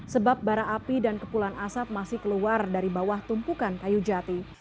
sebab bara api dan kepulan asap masih keluar dari bawah tumpukan kayu jati